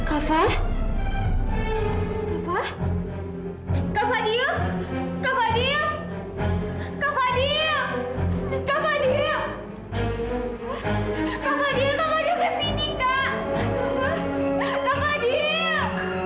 anak pintar diam ya sayang